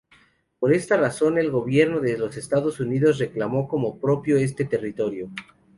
Por esta razón el gobierno de los Estados Unidos reclamó como propio este territorio.